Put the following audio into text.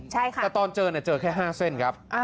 แต่ตอนเจอเนี่ยเจอแค่๕เส้นครับ